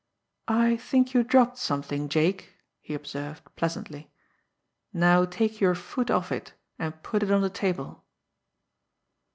"I think you dropped something, Jake," he observed pleasantly. "Now take your foot off it, and put it on the table!"